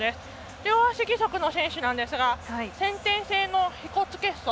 両足義足の選手なんですが先天性のひ骨欠損。